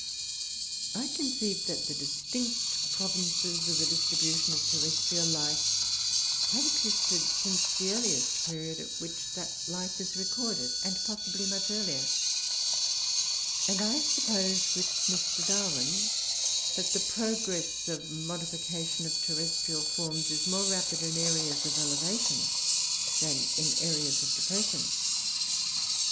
I conceive that distinct provinces of the distribution of terrestrial life have existed since the earliest period at which that life is recorded, and possibly much earlier; and I suppose, with Mr. Darwin, that the progress of modification of terrestrial forms is more rapid in areas of elevation than in areas of depression.